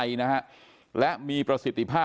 ก็คือเป็นการสร้างภูมิต้านทานหมู่ทั่วโลกด้วยค่ะ